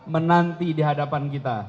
menanti dihadapan kita